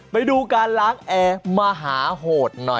ไปดูการล้างแอร์มหาโหดหน่อย